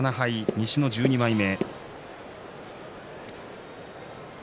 西の１２枚目。